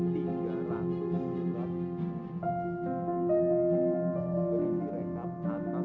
berisi rekap atas tiga ratus